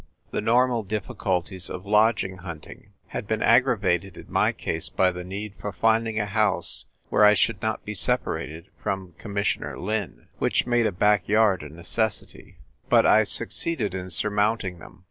The normal difficulties of lodging hunting had been aggravated in my case by the need for finding a house where I should not be separated from Commissioner Lin ; which made a back yard a necessity : but I succeeded in surmounting them.